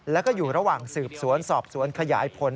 แล้วก็อยู่ระหว่างสืบสวนสอบสวนขยายผล